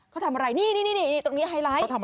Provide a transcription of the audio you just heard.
เขาทำอะไรนี่ตรงนี้ไฮไลท์